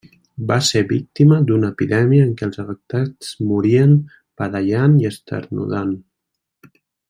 Va ser víctima d'una epidèmia en què els afectats morien badallant i esternudant.